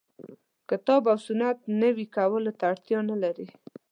کتاب او سنت نوي کولو ته اړتیا نه لري.